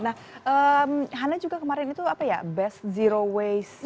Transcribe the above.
nah hana juga kemarin itu apa ya best zero waste